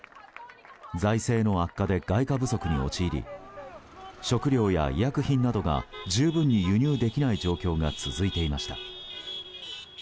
財政の悪化で外貨不足に陥り食料や医薬品などが十分に輸入できない状況が続いていました。